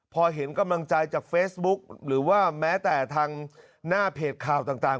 พอเห็นกำลังใจจากเฟซบุ๊กหรือว่าแม้แต่ทางหน้าเพจข่าวต่าง